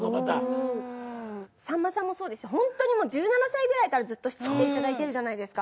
さんまさんもそうですし１７歳ぐらいからずっと知っていただいてるじゃないですか。